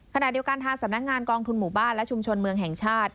ขณะเดียวกันทางสำนักงานกองทุนหมู่บ้านและชุมชนเมืองแห่งชาติ